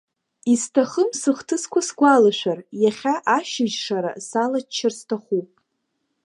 Исҭахым сыхҭысқәа сгәалашәар, иахьа ашьыжь шара салаччар сҭахуп.